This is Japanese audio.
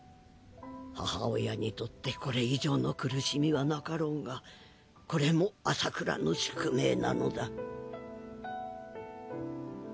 母親にとってこれ以上の苦しみはなかろうがこれも麻倉の宿命なのだ。